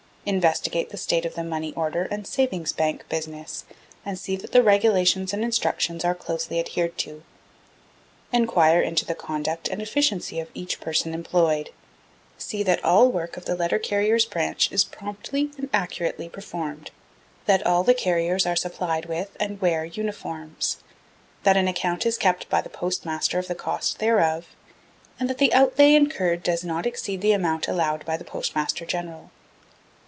Investigate the state of the Money Order and Savings Bank business, and see that the regulations and instructions are closely adhered to. Enquire into the conduct and efficiency of each person employed. See that all the work of the Letter Carrier's Branch is promptly and accurately performed. That all the Carriers are supplied with and wear uniforms. That an account is kept by the Postmaster of the cost thereof, and that the outlay incurred does not exceed the amount allowed by the Postmaster General.